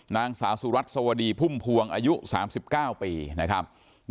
นางสาวสุรัสสวดีพุ่มพวงอายุ๓๙ปีนะครับ